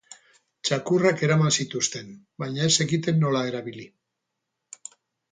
Txakurrak eraman zituzten, baina ez zekiten nola erabili.